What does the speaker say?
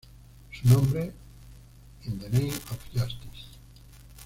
Su nombre, "In the Name of Justice".